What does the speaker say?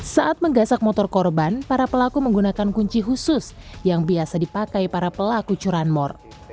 saat menggasak motor korban para pelaku menggunakan kunci khusus yang biasa dipakai para pelaku curanmor